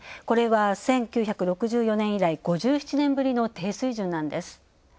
これは１９６４年以来５７年ぶりの低水準なんです。